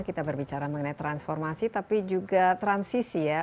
kita berbicara mengenai transformasi tapi juga transisi ya